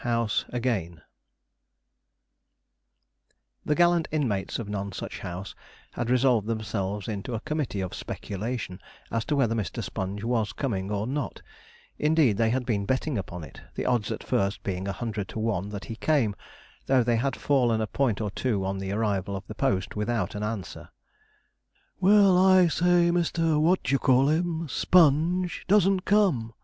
SPONGE, MY LADY'] The gallant inmates of Nonsuch House had resolved themselves into a committee of speculation, as to whether Mr. Sponge was coming or not; indeed, they had been betting upon it, the odds at first being a hundred to one that he came, though they had fallen a point or two on the arrival of the post without an answer. 'Well, I say Mr. What d'ye call him Sponge doesn't come!'